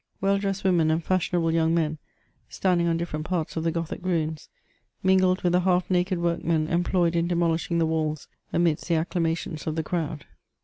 Well dressed women and fashionable young men, standing on different parts of the Gothic ruins, mingled with the half naked workmen employed in demolishing the walls, amidst the acclamations of the crowd.